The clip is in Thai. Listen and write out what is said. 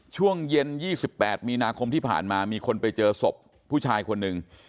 ช่วงเย็น๒๘มีนาคมที่ผ่านมามีคนไปเจอศพผู้ชายคนหนึ่ง